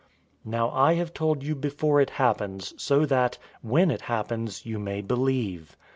014:029 Now I have told you before it happens so that, when it happens, you may believe.